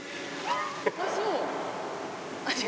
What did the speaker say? あっそう。